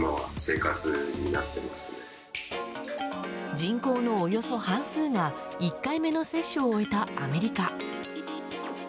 人口のおよそ半数が１回目の接種を終えたアメリカ。